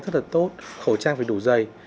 cái thật là tốt khẩu trang phải đủ dày